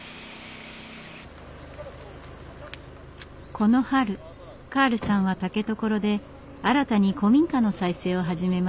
この春カールさんは竹所で新たに古民家の再生を始めました。